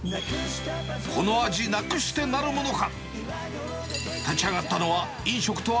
この味なくしてなるものか。